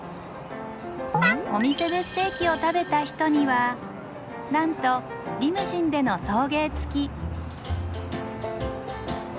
お店でステーキを食べた人にはなんとリムジンでの送迎つき！